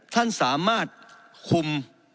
ท่านสามารถคุม